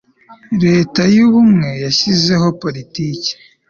Leta y Ubumwe yashyizeho Politiki